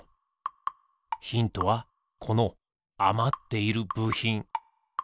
ヒントはこのあまっているぶひん。